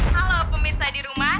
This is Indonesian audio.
halo pemirsa di rumah